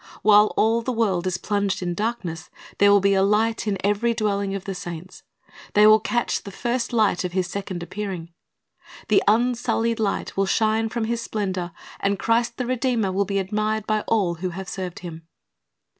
While all the world is plunged in darkness, there will be light in every dwelling of the saints. They will catch the first Hght of His second appearing. The unsullied light will shine from His splendor, 'Isa. 60: 1 ''To Meet the Bridegroom'' 421 and Christ the Redeemer will be admired by all who have served Him.